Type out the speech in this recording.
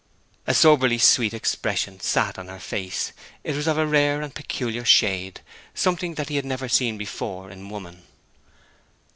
A soberly sweet expression sat on her face. It was of a rare and peculiar shade something that he had never seen before in woman.